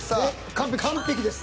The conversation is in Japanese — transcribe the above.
完璧です。